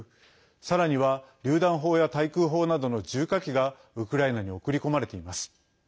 さらには、りゅう弾砲や対空砲などの重火器がウクライナに送り込まれています。